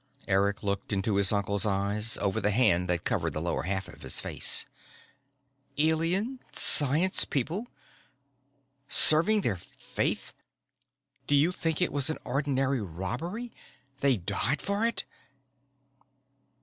Eric looked into his uncle's eyes over the hand that covered the lower half of his face. _Alien science people ... serving their faith ... do you think it was an ordinary robbery ... they died for it!